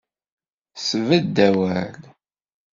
Sbedd awal.